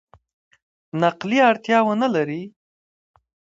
نقلي اړتیا ونه لري.